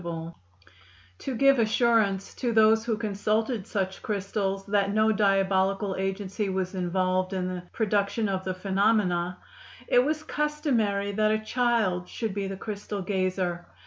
] To give assurance to those who consulted such crystals that no diabolical agency was involved in the production of the phenomena, it was customary that a child should be the crystal gazer.